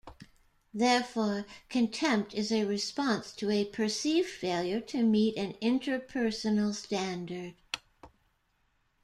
Therefore, contempt is a response to a perceived failure to meet an interpersonal standard.